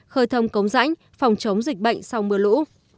khơi thông cống rãnh phòng chống dịch bệnh sau mưa lũ